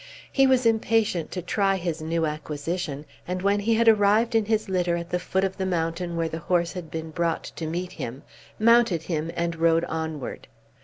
He was impatient to try his new acquisition, and when he had arrived in his litter at the foot of the mountain where the horse had been brought to meet him mounted him and rode onward.